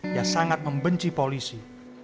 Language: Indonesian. dia sangat membenci polisi